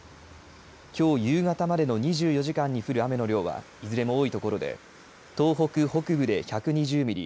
きょう夕方までの２４時間に降る雨の量はいずれも多い所で東北北部で１２０ミリ